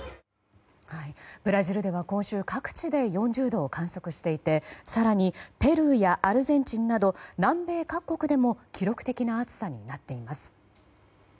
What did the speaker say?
ブラジルでは今週各地で４０度を観測していて更にペルーやアルゼンチンなど南米各国でも記録的な暑さになっています。